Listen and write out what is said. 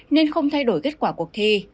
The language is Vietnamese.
nên không thay đổi kết quả cuộc thi